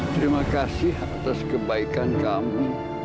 terima kasih atas kebaikan kamu